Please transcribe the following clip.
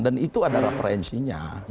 dan itu ada referensinya